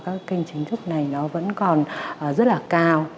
các kênh chính thức này nó vẫn còn rất là cao